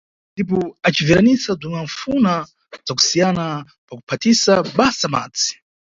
Ndipo acibveranisa bzomwe anʼfuna bza kusiyana pa kuphatisa basa madzi.